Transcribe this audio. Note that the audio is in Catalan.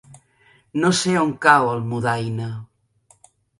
No sé on cau Almudaina.